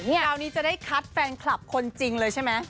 คราวนี้จะได้คัดแฟนคลับคนจริงเลยใช่ไหม